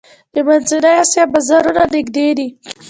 د منځنۍ اسیا بازارونه نږدې دي